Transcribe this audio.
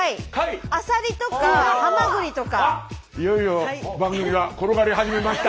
いよいよ番組が転がり始めました。